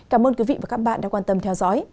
cảm ơn quý vị và các bạn đã quan tâm theo dõi